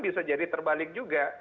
bisa jadi terbalik juga